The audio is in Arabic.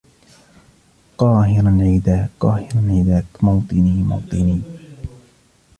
قاهِراً عِـــداكْ قاهِـراً عِــداكْ مَــوطِــنِــي مَــوطِــنِــي